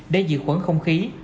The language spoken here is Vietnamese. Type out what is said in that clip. để giữ khuẩn không khí